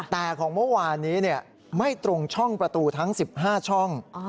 แต่ของเมื่อวานนี้ไม่ตรงช่องประตูทั้ง๑๕ช่อง